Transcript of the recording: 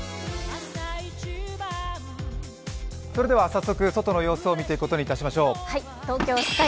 早速、外の様子を見ていくことにいたしましょう。